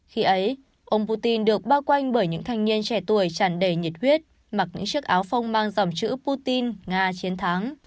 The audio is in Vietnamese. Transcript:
khi ấy ông putin được bao quanh bởi những thanh niên trẻ tuổi chẳng đầy nhiệt huyết mặc những chiếc áo phong mang dòng chữ putin nga chiến thắng